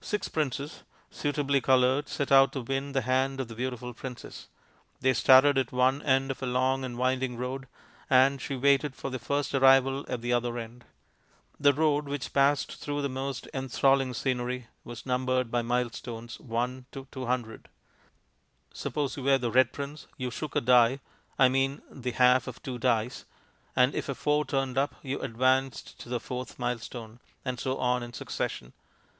Six princes, suitably coloured, set out to win the hand of the beautiful princess. They started at one end of a long and winding road, and she waited for the first arrival at the other end. The road, which passed through the most enthralling scenery, was numbered by milestones "1" to "200". Suppose you were the Red Prince, you shook a die (I mean the half of two dice), and if a four turned up, you advanced to the fourth milestone. And so on, in succession.